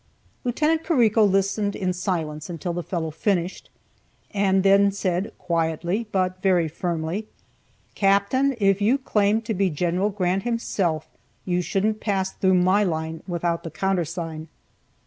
Lieut. Carrico listened in silence until the fellow finished, and then said, quietly but very firmly, "Captain, if you claimed to be Gen. Grant himself, you shouldn't pass through my line without the countersign."